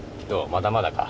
まだまだか。